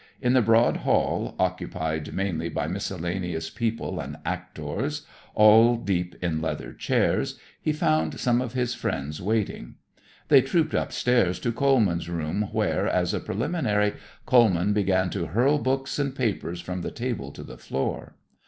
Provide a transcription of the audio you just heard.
In the broad hall, occupied mainly by miscellaneous people and actors, all deep in leather chairs, he found some of his friends waiting. They trooped upstairs to Coleman's rooms, where, as a preliminary, Coleman began to hurl books and papers from the table to the floor.